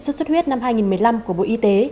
xuất xuất huyết năm hai nghìn một mươi năm của bộ y tế